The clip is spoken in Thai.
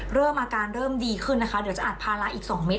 เริ่มอาการเริ่มดีขึ้นนะคะเดี๋ยวจะอัดภาระอีก๒เม็